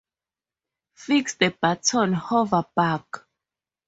Fix the button hover bug